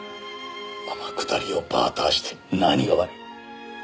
天下りをバーターして何が悪い？